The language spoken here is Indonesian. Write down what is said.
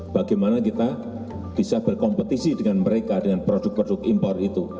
bagaimana kita bisa berkompetisi dengan mereka dengan produk produk impor itu